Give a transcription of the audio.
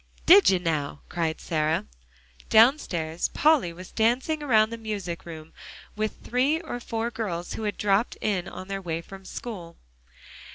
"Did you, now?" cried Sarah. Downstairs Polly was dancing around the music room with three or four girls who had dropped in on their way from school.